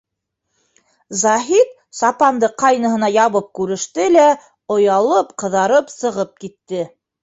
Заһит сапанды ҡайныһына ябып күреште лә, оялып ҡыҙарып сығып китте.